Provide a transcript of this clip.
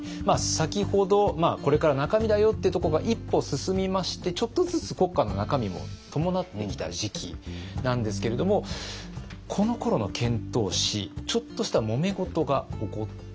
先ほどこれから中身だよっていうところが一歩進みましてちょっとずつ国家の中身も伴ってきた時期なんですけれどもこのころの遣唐使ちょっとしたもめ事が起こっていたんです。